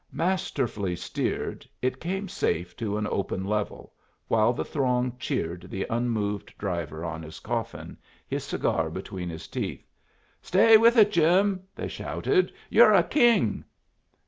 Masterfully steered, it came safe to an open level, while the throng cheered the unmoved driver on his coffin, his cigar between his teeth. "Stay with it, Jim!" they shouted. "You're a king!"